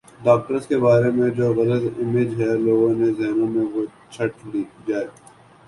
doctors کے بارے میں جو غلط امیج ہے لوگوں کے ذہنوں میں وہ چھٹ جائے